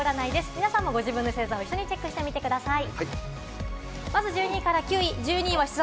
皆さんもご自分の星座を一緒にチェックしてみてください。